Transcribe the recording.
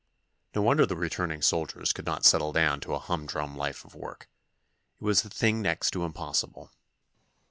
No wonder the returning soldiers could not settle down to a humdrum life of work. It was a thing next to impossible.